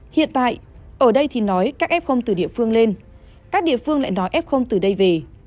hiện tại ở đây thì nói các f từ địa phương lên các địa phương lại nói f từ đây về